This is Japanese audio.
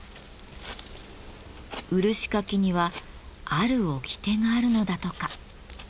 漆かきにはあるおきてがあるのだとか。